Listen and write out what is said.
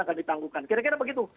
akan ditangguhkan kira kira begitu